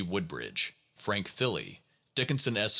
woodbridge, Frank Thilly, Dickinson S.